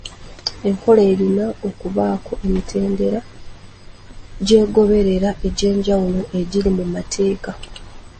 Enkola erina okubaako emitendera gyegoberera egy'enjawulo egiri mu mateeka.